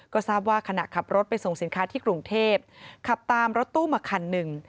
ก็ทราบว่าขณะขับรถไปส่งสินค้าที่กรุงเทพขับตามรถตู้มาคันหนึ่ง